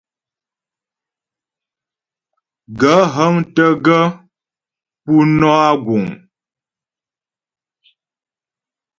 Gaə̂ hə́ŋtə́ gaə̂ po nɔ́ a guŋ ?